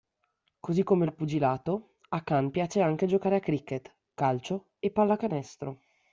Così come il pugilato, a Khan piace anche giocare a cricket, calcio e pallacanestro.